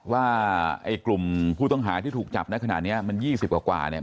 ว่าไอ้กลุ่มผู้ต้องหาที่ถูกจับในขณะนี้มัน๒๐กว่าเนี่ย